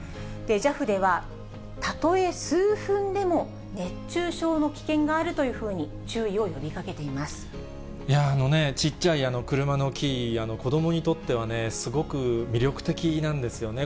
ＪＡＦでは、たとえ数分でも熱中症の危険があるというふうに注意を呼びかけてちっちゃい車のキー、子どもにとってはね、すごく魅力的なんですよね。